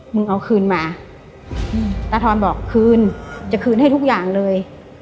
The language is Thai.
มึงเอาคืนมาตาทอนบอกคืนจะคืนให้ทุกอย่างเลย